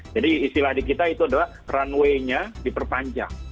istilah di kita itu adalah runway nya diperpanjang